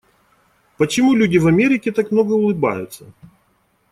Почему люди в Америке так много улыбаются?